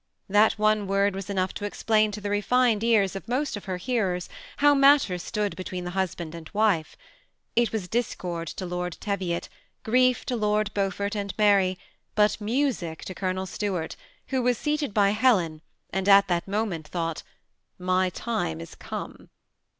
That one word was enough to explain to the refined ears «of most of her hearers how matters stood between the husband and wife. It was discord to Lord Teyiot, grief to Lord Beaufort and Maiy, but music to Gdonel Stuart who was seated by Helen, and at that moment thought, ^\ Mj time is come."